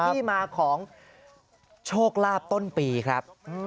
ที่มาของโชคลาภต้นปีครับ